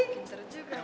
pinter juga ma